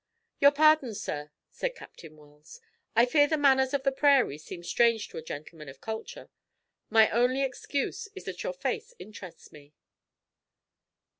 "Your pardon, sir," said Captain Wells. "I fear the manners of the prairie seem strange to a gentleman of culture. My only excuse is that your face interests me."